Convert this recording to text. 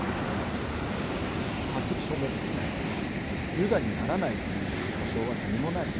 ユダにならないっていう保証は何もない。